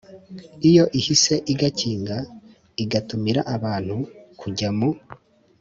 Iyo ihise igakinga igatumira abantu kujya mu